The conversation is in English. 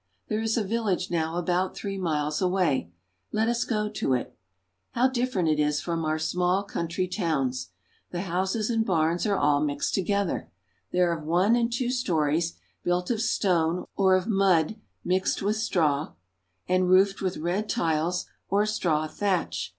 There is a village now about three miles away. Let us go to it. How different it is from our small country towns ! The houses and barns are all mixed together. They are of one and two stories, built of stone or of mud mixed with straw, and roofed with red tiles or straw thatch.